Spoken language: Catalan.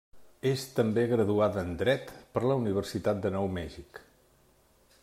És també graduada en dret per la Universitat de Nou Mèxic.